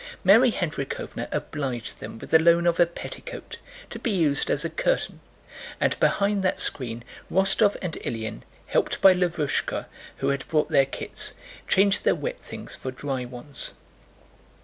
Mary Hendríkhovna obliged them with the loan of a petticoat to be used as a curtain, and behind that screen Rostóv and Ilyín, helped by Lavrúshka who had brought their kits, changed their wet things for dry ones.